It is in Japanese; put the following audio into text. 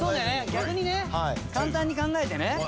逆にね簡単に考えてね。